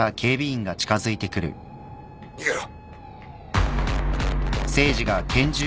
・逃げろ！